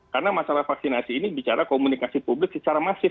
karena masalah vaksinasi ini bicara komunikasi publik secara masif